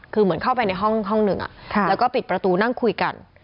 คือเหมือนเข้าไปในห้องหนึ่งแล้วก็ปิดประตูนั่งคุยกัน